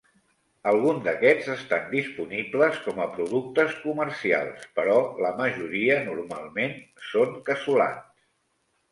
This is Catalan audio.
Alguns d'aquests estan disponibles com a productes comercials, però la majoria normalment són casolans.